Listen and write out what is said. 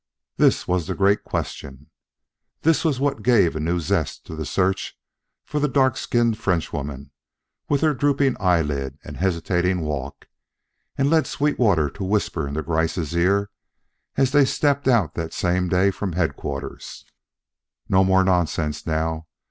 This was the great question. This was what gave new zest to the search for the dark skinned Frenchwoman, with her drooping eyelid and hesitating walk, and led Sweetwater to whisper into Gryce's ear, as they stepped out that same day from Headquarters: "No more nonsense now.